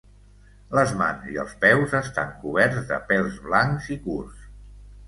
Les mans i els peus estan coberts de pèls blancs i curts.